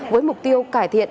với mục tiêu cải thiện